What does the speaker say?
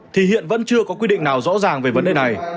thì hiện vẫn chưa có quy định nào rõ ràng về vấn đề này